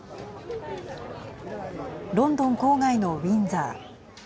ロンドン郊外のウィンザー。